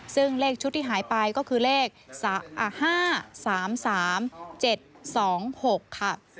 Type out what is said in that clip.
ซึ่งเลขชุดที่หายไปก็คือเลข๕๓๓๗๒๖ค่ะ